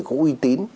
cũng uy tín